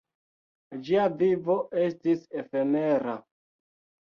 Ĝia vivo estis efemera.